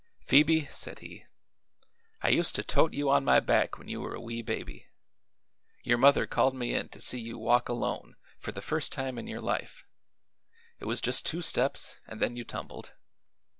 "Phoebe," said he, "I used to tote you on my back when you were a wee baby. Your mother called me in to see you walk alone, for the first time in your life it was jus' two steps, an' then you tumbled.